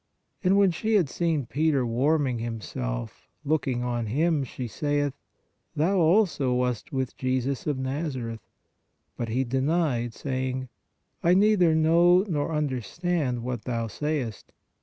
And when she had seen Peter warming himself, looking on him she saith: Thou also wast with Jesus of Nazareth. But he denied, saying: I neither know nor understand what thou sayest.